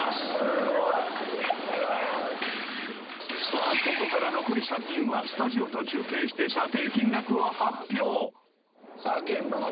さあここから残り３人はスタジオと中継して査定金額を発表。